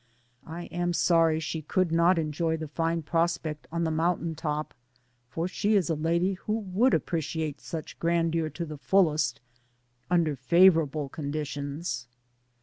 I am sorry she could not enjoy the fine prospect on the mountain top, for she is a lady who would appreciate such grandeur to the fullest under favorable circumstances.